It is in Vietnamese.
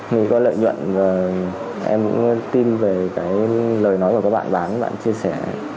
mình có lợi nhuận và em cũng tin về cái lời nói của các bạn bán và bạn chia sẻ